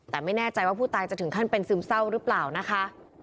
แต่ไม่แน่ใจว่าผู้ตายจะถึงขั้นเป็นซึมเศร้าหรือเปล่านะคะ